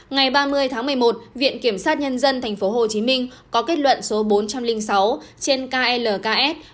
ngày ba mươi tháng một mươi một viện kiểm sát nhân dân tp hcm có kết luận số bốn trăm linh sáu trên klk